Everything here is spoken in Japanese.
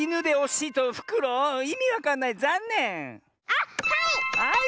あっはい！